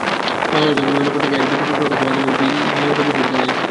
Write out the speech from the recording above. Bangladesh bank বিভিন্ন পত্রিকায় এক বিজ্ঞপ্তি প্রকাশের মাধ্যমে এই নিয়োগের বিষয়টি জানিয়েছে।